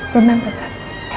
kamu ingat kan